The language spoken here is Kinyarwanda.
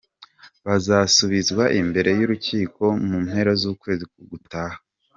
Bazasubizwa imbere y’urukiko mu mpera z’ukwezi gutaha.